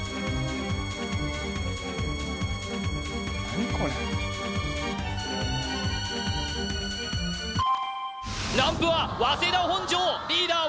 何これランプは早稲田本庄リーダー